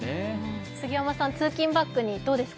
杉山さん、通勤バッグにどうですか？